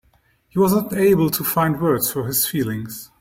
He was not able to find words for his feelings.